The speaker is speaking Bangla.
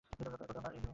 কবে আমার হিরোইন হবে?